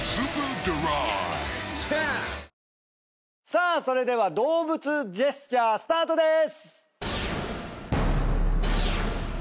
さあそれでは動物ジェスチャースタートです！